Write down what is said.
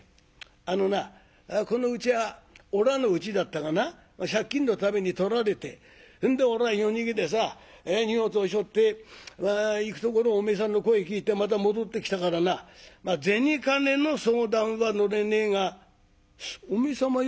あのなこのうちはおらのうちだったがな借金のために取られてほんでおらは夜逃げでさ荷物をしょって行くところをお前さんの声聞いてまた戻ってきたからな銭金の相談は乗れねえがお前様よ